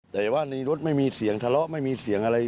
แต่ว่าในรถไม่มีเสียงทะเลาะไม่มีเสียงอะไร